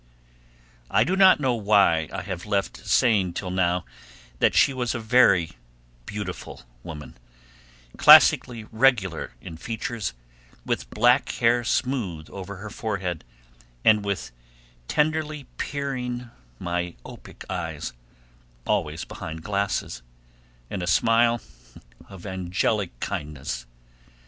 I do not know why I have left saying till now that she was a very beautiful woman, classically regular in features, with black hair smooth over her forehead, and with tenderly peering, myopia eyes, always behind glasses, and a smile of angelic kindness.